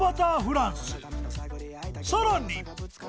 ［さらに］